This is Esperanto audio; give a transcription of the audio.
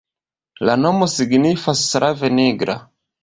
La nomo signifas slave nigra.